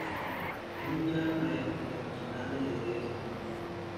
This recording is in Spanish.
Es un Gran Maestro Internacional de ajedrez armenio.